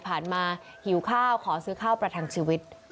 ผ่านมาหิวข้าวขอซื้อข้าวประทังชีวิต